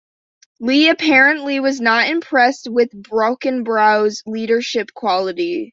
Lee apparently was not impressed with Brockenbrough's leadership qualities.